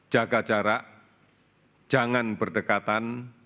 jaga jarak jangan berdekatan